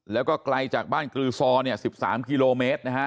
แล้วก็ไกลจากบ้านกรือซอเนี่ย๑๓กิโลเมตรนะฮะ